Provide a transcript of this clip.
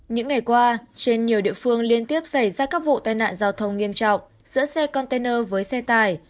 những ngày qua trên nhiều địa phương liên tiếp xảy ra các vụ tai nạn giao thông nghiêm trọng giữa xe container với xe tải